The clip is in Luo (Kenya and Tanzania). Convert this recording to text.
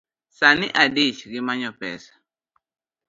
Sani adich gi manyo pesa